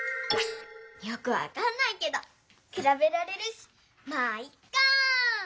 よくわかんないけどくらべられるしまぁいっか！